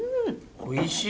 おいしい！